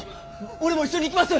俺も一緒に行きます！